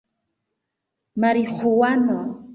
mariĥuano